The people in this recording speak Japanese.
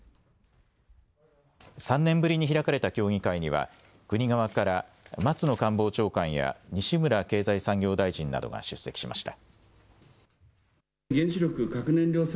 ３年ぶりに開かれた協議会には国側から松野官房長官や西村経済産業大臣などが出席しました。